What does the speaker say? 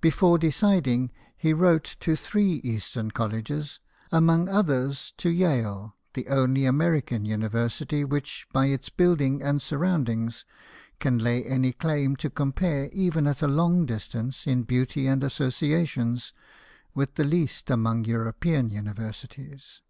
Before deciding, he wrote to three eastern colleges, amongst others to Yale, the only American university which by its buildings and surroundings can lay any claim to compare, even at a long distance, in beauty and associa tions, with the least among European univer sities.